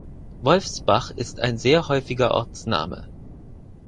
Wolfsbach ist ein sehr häufiger Ortsname.